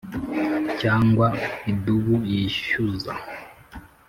cyangwa idubu yishyuza